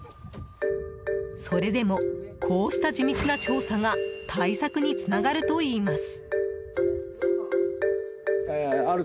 それでも、こうした地道な調査が対策につながるといいます。